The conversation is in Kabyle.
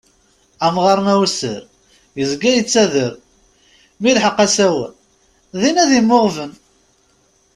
Amɣaṛ ma wesser, yezga yettader; mi ilheq asawen, din ad immuɣben.